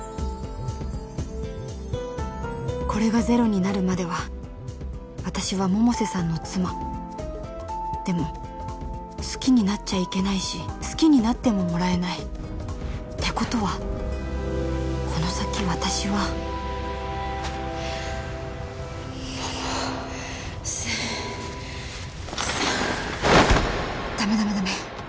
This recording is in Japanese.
これがゼロになるまでは私は百瀬さんの妻でも好きになっちゃいけないし好きになってももらえないてことはこの先私は百瀬さんダメダメダメ